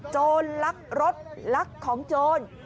โจรลักรถลักของโจร